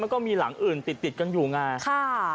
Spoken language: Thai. แล้วก็มีหลังอื่นติดกันอยู่งาน